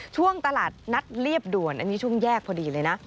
ช่วงตลาดนัดเรียบด่วนอันนี้ช่วงแยกพอดีเลยนะ